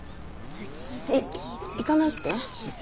えっ行かないって？